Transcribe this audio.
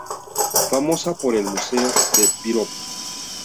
Famosa por el museo del piropo.